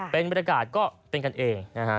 เป็นบรรยากาศก็เป็นกันเองนะฮะ